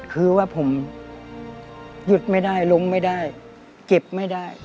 คือว่าผมหยุดไม่ได้ลงไม่ได้เก็บไม่ได้